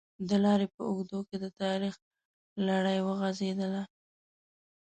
د لارې په اوږدو کې د تاریخ لړۍ وغزېدله.